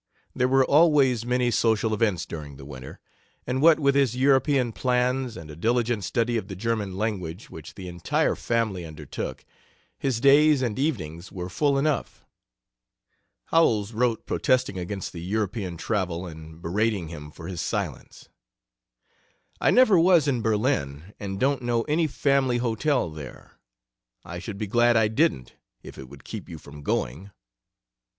There were always many social events during the winter, and what with his European plans and a diligent study of the German language, which the entire family undertook, his days and evenings were full enough. Howells wrote protesting against the European travel and berating him for his silence: "I never was in Berlin and don't know any family hotel there. I should be glad I didn't, if it would keep you from going.